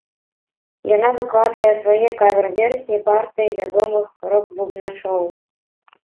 Яна выкладвае свае кавер-версіі партый вядомых рок-бубначоў.